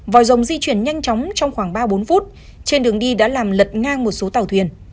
vòi rồng di chuyển nhanh chóng trong khoảng ba bốn phút trên đường đi đã làm lật ngang một số tàu thuyền